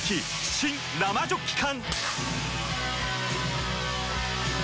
新・生ジョッキ缶！